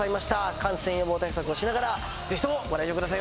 感染予防対策をしながら是非ともご来場ください。